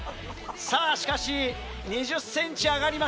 さぁしかし２０ｃｍ上がりました。